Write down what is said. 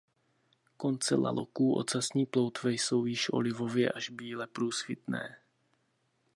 Konce laloků ocasní ploutve jsou již olivově až bíle průsvitné.